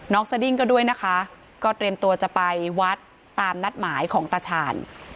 สดิ้งก็ด้วยนะคะก็เตรียมตัวจะไปวัดตามนัดหมายของตาชาญ